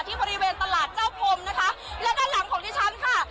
ที่บริเวณตลาดเจ้าพรมนะคะและด้านหลังของดิฉันค่ะ